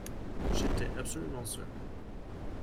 J'étais absolument seul.